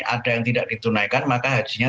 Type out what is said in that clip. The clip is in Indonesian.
ada yang tidak ditunaikan maka hajinya